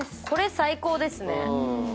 これ最高ですね。